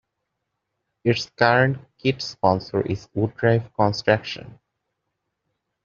Its current kit sponsor is Woodview Construction.